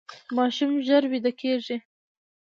ماشوم ژر ویده کیږي.